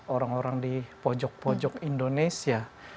orang orang di pojok pojok indonesia